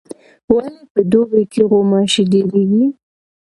ولي په دوبي کي غوماشي ډیریږي؟